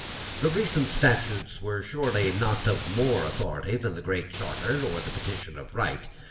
The recent statutes were surely not of more authority than the Great Charter or the Petition of Right.